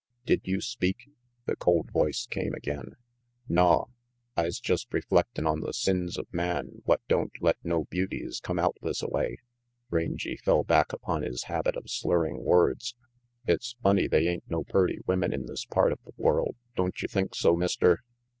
"Did you speak?" the cold voice came again. "Naw. I's just reflectin' on the sins of man what don't let no beauties come out thisaway." Rangy fell back upon his habit of slurring words. "It's funny they ain't no purty women in this part of the world, don't you think so, Mister?